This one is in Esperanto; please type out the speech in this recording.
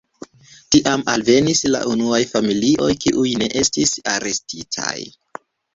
Tiam alvenis la unuaj familioj, kiuj ne estis arestitaj.